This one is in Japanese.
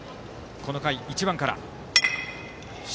この回、１番から。